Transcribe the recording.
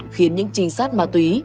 khiến những trinh sát ma túy